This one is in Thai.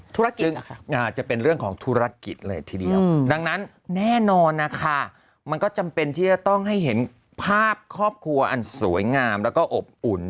อาจจะเป็นเรื่องของธุรกิจเลยทีเดียวดังนั้นแน่นอนนะคะมันก็จำเป็นที่จะต้องให้เห็นภาพครอบครัวอันสวยงามแล้วก็อบอุ่น